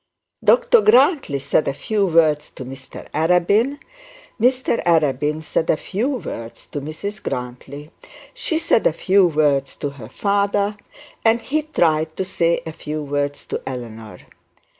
Dr Grantly said a few words to Mr Arabin, Mr Arabin said a few words to Mrs Grantly, she said a few words to her father, and he tried to say a few words to Eleanor.